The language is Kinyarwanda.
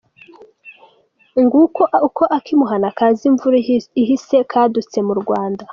Nguko uko ak’imuhana kaza imvura ihise kadutse mu Rwanda.